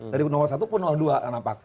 dari nomor satu pun nomor dua